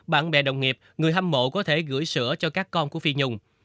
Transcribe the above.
bạn bè đồng nghiệp người hâm mộ có thể gửi sữa cho các con của phi nhung